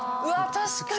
確かに。